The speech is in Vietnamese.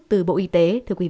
từ bộ y tế